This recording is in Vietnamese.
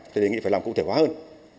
thì đề nghị phải làm cụ thể hóa hơn